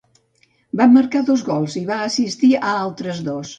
Va marcar dos gols i va assistir a altres dos.